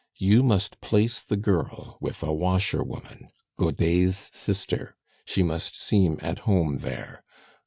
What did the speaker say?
You must place the girl with a washerwoman, Godet's sister; she must seem at home there.